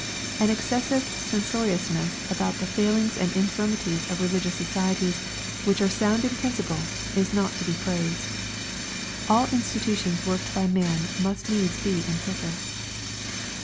An excessive censoriousness about the failings a(id infirmities of religious Societies which are sound in principle, is not to be praised. All institutions worked by man must needs be imperfect.